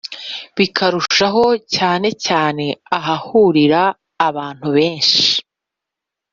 bikarushahocyanecyanahahuriraabantubenshi